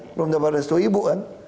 belum dapat restu ibu kan